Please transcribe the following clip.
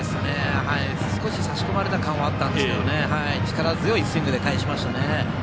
少し差し込まれた感はあったんですけど力強いスイングで返しましたね。